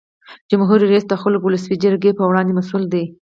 جمهور رئیس د خلکو او ولسي جرګې په وړاندې مسؤل دی.